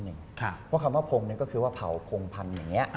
เพราะคำว่าพงก็คือว่าเผาพงพันธุ์อย่างนี้